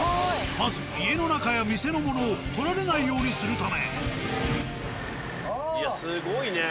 まず家の中や店のものを盗られないようにするため。